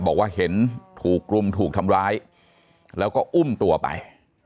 บอกว่าเห็นถูกรุมถูกทำร้ายแล้วก็อุ้มตัวไป